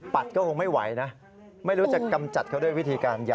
ก็คงไม่ไหวนะไม่รู้จะกำจัดเขาด้วยวิธีการอย่างไร